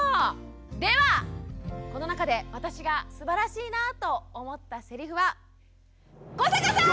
ではこの中で私がすばらしいなと思ったせりふは古坂さん！